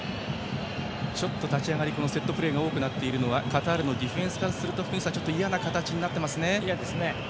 立ち上がり、セットプレーが多くなっているのはカタールのディフェンスからするといやですね。